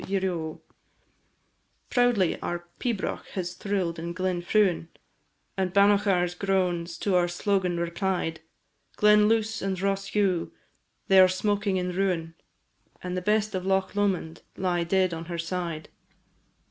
ieroe! Proudly our pibroch has thrill'd in Glen Fruin, And Bannochar's groans to our slogan replied; Glen Luss and Ross dhu, they are smoking in ruin, And the best of Loch Lomond lie dead on her side.